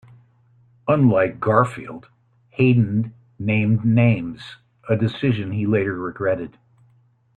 Unlike Garfield, Hayden "named names", a decision he later regretted.